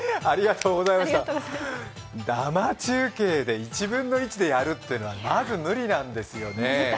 生中継で１分の１でやるっていうのはまず、無理なんですよね。